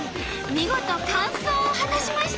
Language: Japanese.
見事完走を果たしました。